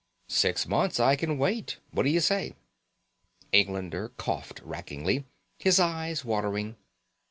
"Six months I can wait. What d'you say?" Englander coughed wrackingly, his eyes watering.